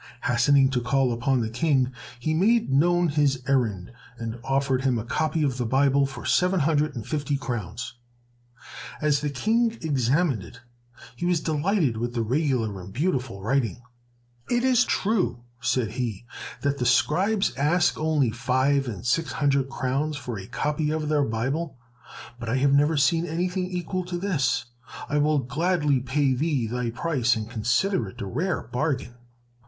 Hastening to call upon the King, he made known his errand and offered him a copy of the Bible for seven hundred and fifty crowns! As the King examined it, he was delighted with the regular and beautiful writing. "It is true," said he, "that the scribes ask only five and six hundred crowns for a copy of their Bible, but I have never seen anything equal to this! I will gladly pay thee thy price, and consider it a rare bargain."